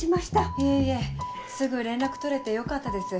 いえいえすぐ連絡取れてよかったです。